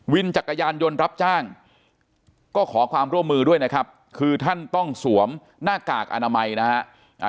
จักรยานยนต์รับจ้างก็ขอความร่วมมือด้วยนะครับคือท่านต้องสวมหน้ากากอนามัยนะฮะ